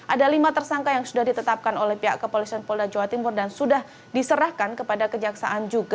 ada lima tersangka yang sudah ditetapkan oleh pihak kepolisian polda jawa timur dan sudah diserahkan kepada kejaksaan juga